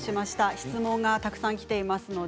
質問がたくさんきています。